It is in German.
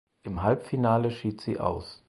Im Halbfinale schied sie aus.